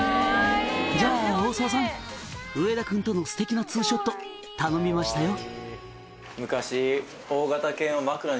「じゃあ大沢さん上田君とのステキなツーショット頼みましたよ」